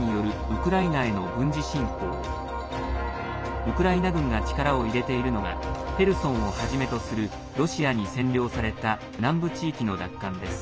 ウクライナ軍が力を入れているのがヘルソンをはじめとするロシアに占領された南部地域の奪還です。